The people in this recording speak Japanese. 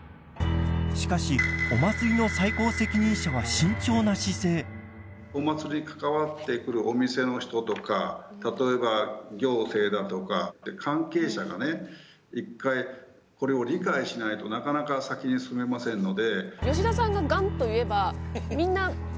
しかしお祭りの最高責任者はお祭りに関わってくるお店の人とか例えば行政だとか関係者がね１回これを理解しないとなかなか先に進めませんので。